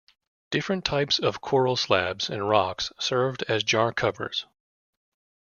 Different types of coral slabs and rocks served as jar covers.